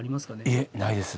いえないです。